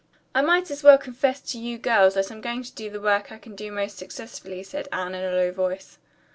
"I might as well confess to you girls that I'm going to do the work I can do most successfully," said Anne in a low voice.